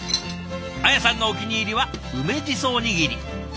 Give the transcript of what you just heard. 彩さんのお気に入りは梅じそおにぎり。